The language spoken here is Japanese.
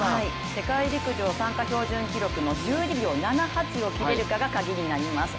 世界陸上参加標準記録の１２秒７８を切れるかがカギになります。